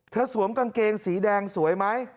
สวมกางเกงสีแดงสวยไหม